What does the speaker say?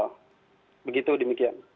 nah begitu demikian